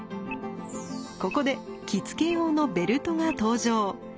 ここで着付け用のベルトが登場。